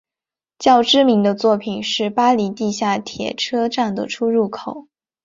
较知名的作品是巴黎地下铁车站的出入口。